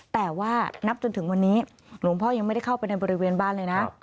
แต่ว่านับจนถึงวันนี้หลวงพ่อยังไม่ได้เข้าไปในบริเวณบ้านเลยนะ